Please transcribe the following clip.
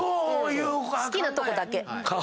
好きなとこだけ。